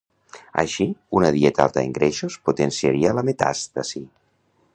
Així, una dieta alta en greixos potenciaria la metàstasi.